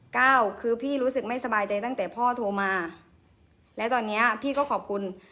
เก้าคือพี่รู้สึกไม่สบายใจตั้งแต่พ่อโทรมาและตอนเนี้ยพี่ก็ขอบคุณ